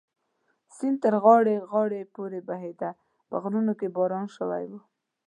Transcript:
سیند تر غاړې غاړې پورې بهېده، په غرونو کې باران شوی و.